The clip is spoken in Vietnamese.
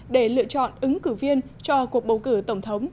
để lựa chọn ứng cử viên cho cuộc bầu cử tổng thống